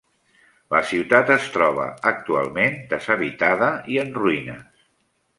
La ciutat es troba actualment deshabitada i en ruïnes.